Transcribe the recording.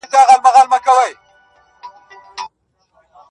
په دې مخــــــــــــــونو مهرابونه هسې نه جوړېږي